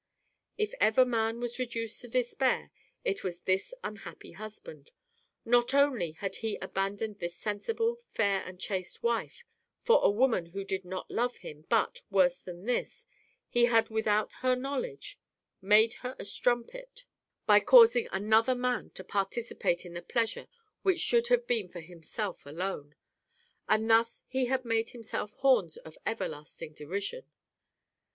If ever man was reduced to despair it was this unhappy husband. Not only had he abandoned this sensible, fair, and chaste wife for a woman who did not love him, but, worse than this, he had without her knowledge made her a strumpet by causing another man to participate in the pleasure which should have been for himself alone; and thus he had made himself horns of everlasting derision.